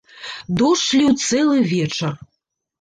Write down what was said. Дождж ліў цэлы вечар.